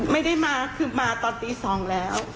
ไม่ได้มาคือมาตอนตี๒แล้ว